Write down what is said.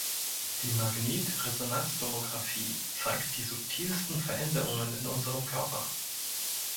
Die Magnetresonanztomographie zeigt die subtilsten Veränderungen in unserem Körper.